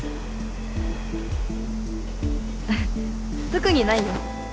特にないよ